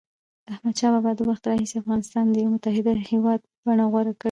د احمدشاه بابا د وخت راهيسي افغانستان د یوه متحد هېواد بڼه غوره کړه.